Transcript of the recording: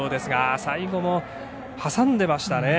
最後も挟んでいましたね。